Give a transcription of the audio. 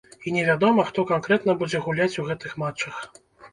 І невядома, хто канкрэтна будзе гуляць у гэтых матчах.